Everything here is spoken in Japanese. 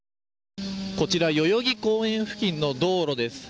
こちら代々木公園付近の道路です。